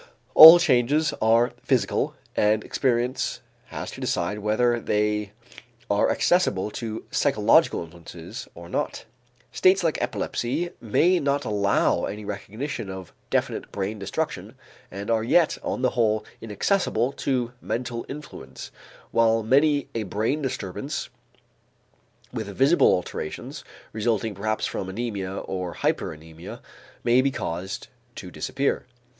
All changes are physical and experience has to decide whether they are accessible to psychological influences or not. States like epilepsy may not allow any recognition of definite brain destruction and are yet on the whole inaccessible to mental influence, while many a brain disturbance with visible alterations, resulting perhaps from anæmia or hyperæmia, may be caused to disappear.